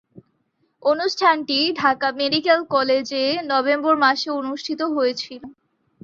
অনুষ্ঠানটি ঢাকা মেডিকেল কলেজে নভেম্বর মাসে অনুষ্ঠিত হয়েছিলো।